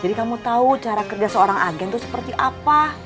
jadi kamu tahu cara kerja seorang agen tuh seperti apa